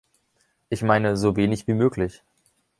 Ich meine, so wenig wie möglich.